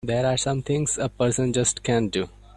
There are some things a person just can't do!